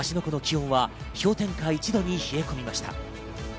湖の気温は氷点下１度に冷え込みました。